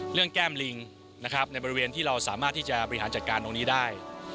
เรื่องแก้มลิงในบริเวณที่เราสามารถที่จะบริหารจัดการตรงนี้ได้